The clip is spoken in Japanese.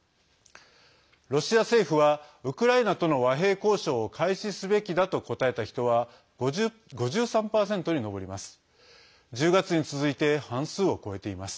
ロシア政府はウクライナとの和平交渉を開始すべきだと答えた人は５３％に上ります。